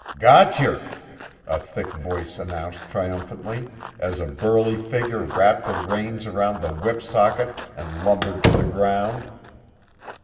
"Got yer!" a thick voice announced triumphantly, as a burly figure wrapped the reins around the whip socket and lumbered to the ground.